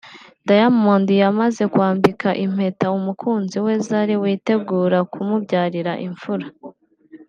Diamond yamaze kwambika impeta umukunzi we Zari witegura kumubyarira imfura